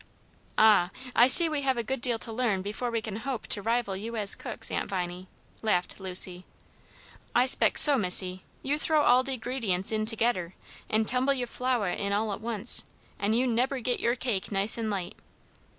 "Ah, I see we have a good deal to learn before we can hope to rival you as cooks, Aunt Viney," laughed Lucy. "I spec' so, missy; you throw all de gredinents in togedder, an' tumble your flouah in all at once, an' you nebber get your cake nice an light."